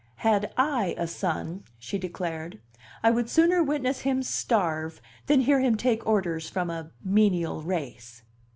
"Had I a son," she declared, "I would sooner witness him starve than hear him take orders from a menial race."